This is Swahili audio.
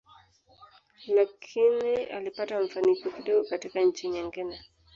Lakini ulipata mafanikio kidogo katika nchi nyingine.